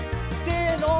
せの！